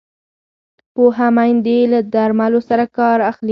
پوهه میندې له درملو سم کار اخلي۔